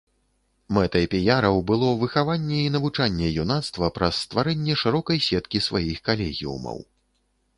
Мэтай піяраў было выхаванне і навучанне юнацтва праз стварэнне шырокай сеткі сваіх калегіумаў.